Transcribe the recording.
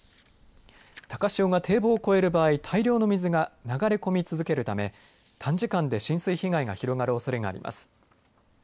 高潮が堤防を越える場合大量の水が流れ込み続けるため短時間で浸水被害が広がるおそれがあります。